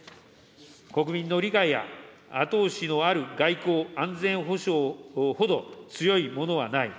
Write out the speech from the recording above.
国民の理解や後押しのある外交・安全保障ほど強いものはない。